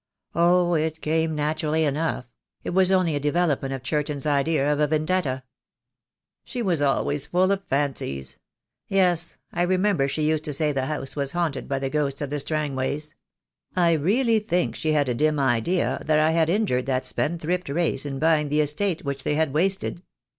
"Oh, it came naturally enough. It was only a de velopment of Churton's idea of a vendetta." "She was always full of fancies. Yes, I remember she used to say the house was haunted by the ghosts of the Strangways. I really think she had a dim idea that I had injured that spendthrift race in buying the estate which they had wasted.